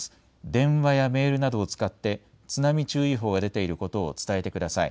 電話やメールなどを使って津波注意報が出ていることを伝えてください。